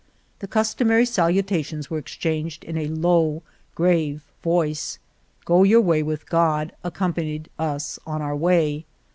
The customary salutations were exchanged in a low, grave voice —* Go your way with God " accom panied us on our way.